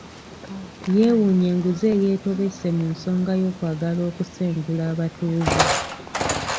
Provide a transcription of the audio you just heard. Yeewuunya enguzi eyeetobese mu nsonga y'okwagala okusengula abatuuze